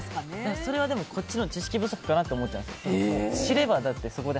それはこっちの知識不足かなって思っちゃうんですよ。